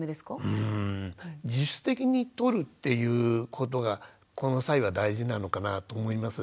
うん自主的にとるっていうことがこの際は大事なのかなと思います。